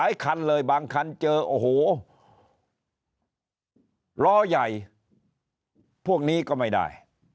คันเลยบางคันเจอโอ้โหล้อใหญ่พวกนี้ก็ไม่ได้